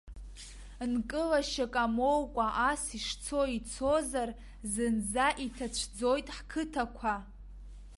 Нкылашьак амоукәа ас ишцо ицозар, зынӡа иҭацәӡоит ҳқыҭақәа.